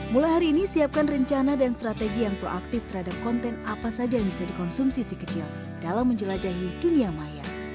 mulai hari ini siapkan rencana dan strategi yang proaktif terhadap konten apa saja yang bisa dikonsumsi si kecil dalam menjelajahi dunia maya